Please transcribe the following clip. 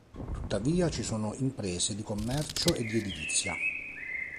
Tuttavia ci sono imprese di commercio e di edilizia.